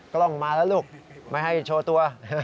กล้องมาแล้วลูกไม่ให้โชว์ตัว